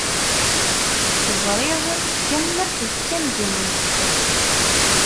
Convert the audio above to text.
Ẓriɣ kemm d tamednubt.